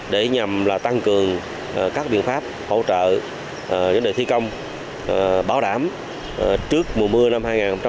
để nhằm tăng cường các biện pháp hỗ trợ đơn vị thi công bảo đảm trước mùa mưa năm hai nghìn một mươi tám